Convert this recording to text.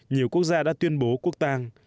nhiều quốc gia đã tuyên bố quốc tàng